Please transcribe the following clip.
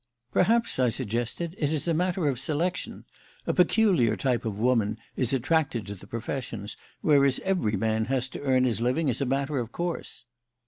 "Perhaps," I suggested, "it is a matter of selection. A peculiar type of woman is attracted to the professions, whereas every man has to earn his living as a matter of course."